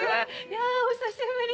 やぁお久しぶり。